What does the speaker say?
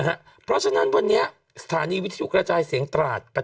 เพราะฉะนั้นวันนี้สถานีวิทยุกระจายเสียงตราด